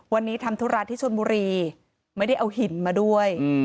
วันนี้ทำธุระที่ชนบุรีไม่ได้เอาหินมาด้วย